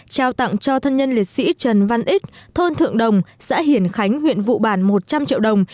trao tặng cho thân nhân liệt sĩ trần văn ích thôn thượng đồng xã hiển khánh huyện vụ bản một trăm linh triệu đồng